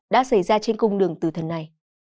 đã xảy ra trên cung đường từ thần này